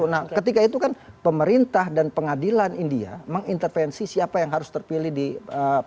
nah ketika itu kan pemerintah dan pengadilan india mengintervensi siapa yang harus terpilih